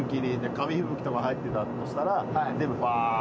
紙吹雪とか入ってたとしたら全部ばっと。